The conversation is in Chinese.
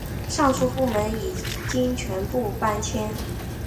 上述部门现已全部搬迁。